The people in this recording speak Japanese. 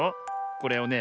これをね